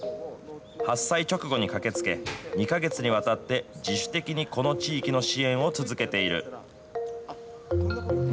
発災直後に駆けつけ、２か月にわたって、自主的にこの地域の支援を続けている。